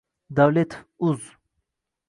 Давлетов уз